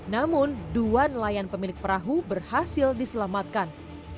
namun dua nelayan pemilik perahu berhasil diselamatkan